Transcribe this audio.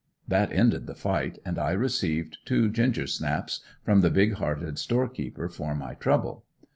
That ended the fight and I received two ginger snaps, from the big hearted storekeeper, for my trouble.